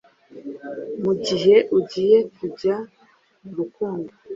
mugihe ugiye kujya murukundo